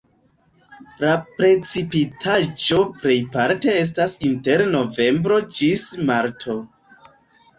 La precipitaĵo plejparte estas inter novembro ĝis marto.